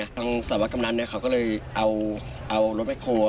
ทางสถาบกรรมนั่นเขาก็เลยเอารถไม่โค